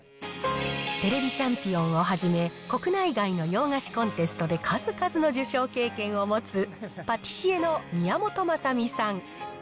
ＴＶチャンピオンをはじめ、国内外の洋菓子コンテストで数々の受賞経験を持つ、パティシエの宮本雅巳さん。